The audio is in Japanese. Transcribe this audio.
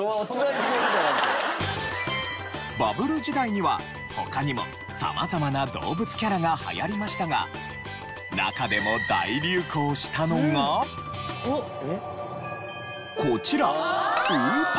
バブル時代には他にも様々な動物キャラが流行りましたが中でもこちら！